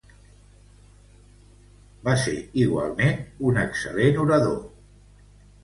Va ser igualment un excel·lent orador sagrat.